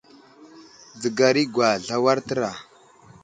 Dzəgar i aŋgwasl awar təra.